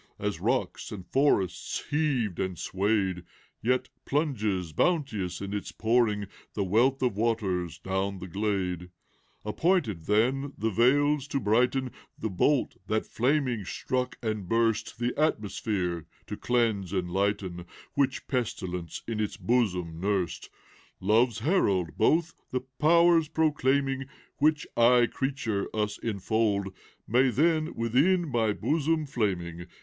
As rocks and forests heaved and swayed, Yet plunges, bounteous in its pouring. The wealth of waters down the glade, ACT V. 251 Appointed, then, the vales to brighten ; The bolt, tiiat flaming struck and burst, The atmosphere to cleanse and lighten, Wliich pestilence in its bosom nursed, — Love's heralds both, the powers prodaiming, Which, aye creative, us infold. May then, within my bosom flaming.